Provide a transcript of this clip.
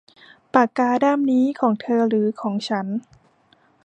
ปากกาด้ามนี้ของเธอหรือของฉัน